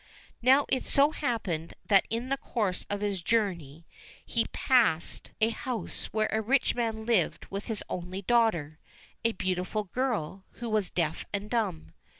Now it so happened that in the course of his journey he passed a 75 76 ENGLISH FAIRY TALES house where a rich man Hved with his only daughter, a beau tiful girl, who was deaf and dumb.